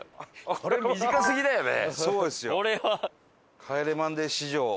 これ短すぎだよね。